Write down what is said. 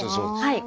はい。